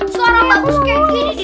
suara bagus kayak gini